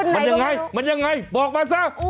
มันยังไงมันยังไงบอกมันซะ